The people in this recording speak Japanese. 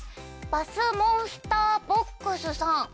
バスモンスターボックスさん。